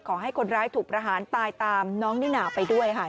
ขอให้คนร้ายถูกประหารตายตามน้องนิน่าไปด้วยค่ะ